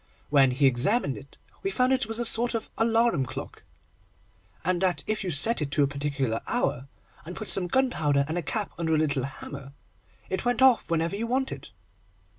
When we examined it, we found it was a sort of alarum clock, and that, if you set it to a particular hour, and put some gunpowder and a cap under a little hammer, it went off whenever you wanted.